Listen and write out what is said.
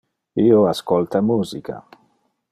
Io ascolta musica.